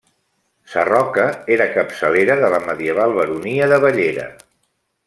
Sarroca era capçalera de la medieval Baronia de Ballera.